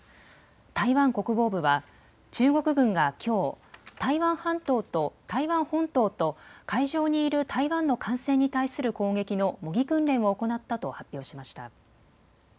台湾国防部は中国軍がきょう、台湾本島と海上にいる台湾の艦船に対する攻撃の模擬訓練を行ったと発表しました。